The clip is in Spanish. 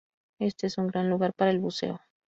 Este es un gran lugar para el buceo.